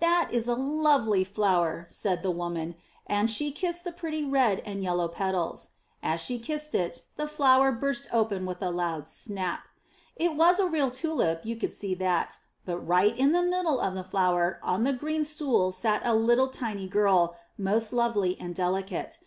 *That is a lovely flower," said the woman, and she kissed the pretty red and yellow petals. As she kissed it the flower burst open with a loud snap. It was a real tulip, you could see that; but right in the middle of the flower on the green stool sat a little tiny girl, most lovely and deli cate.